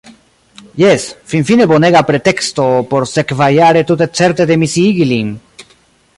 Jen – finfine bonega preteksto por sekvajare tute certe demisiigi lin.